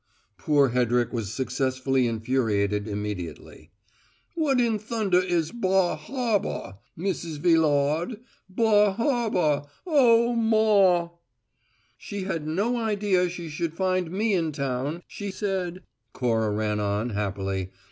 Poor Hedrick was successfully infuriated immediately. "What in thunder is `Baw hawbaw'? Mrs. Villawd! Baw hawbaw! Oh, maw!" "She had no idea she should find me in town, she said," Cora ran on, happily.